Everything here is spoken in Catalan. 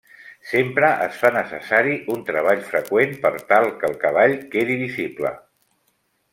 Sempre es fa necessari un treball freqüent per tal que el cavall quedi visible.